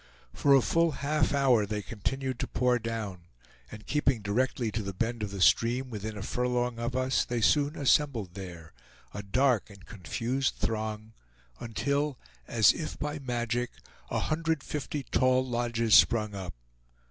For a full half hour they continued to pour down; and keeping directly to the bend of the stream, within a furlong of us, they soon assembled there, a dark and confused throng, until, as if by magic, 150 tall lodges sprung up.